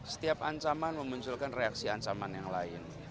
setiap ancaman memunculkan reaksi ancaman yang lain